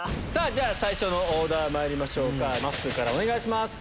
最初のオーダーまいりましょうかまっすーからお願いします。